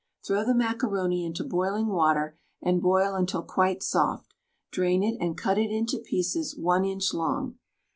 Throw the macaroni into boiling water and boil until quite soft; drain it and cut it into pieces 1 inch long.